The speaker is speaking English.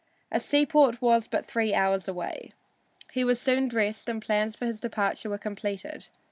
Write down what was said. A seaport was but three hours away. He was soon dressed and plans for his departure were completed.